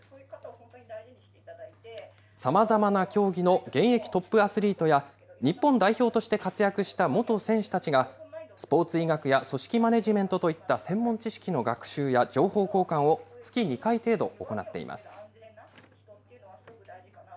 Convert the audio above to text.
さまざまな競技の現役トップアスリートや、日本代表として活躍した元選手たちが、スポーツ医学や組織マネジメントといった専門知識の学習や情報交換を月２回程度、行っています。